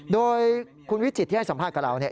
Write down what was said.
โดยคุณวิจิตร์ที่ให้สัมภาษณ์กับเรา